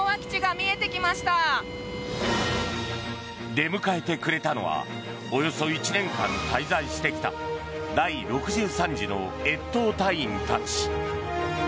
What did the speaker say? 出迎えてくれたのはおよそ１年間滞在してきた第６３次の越冬隊員たち。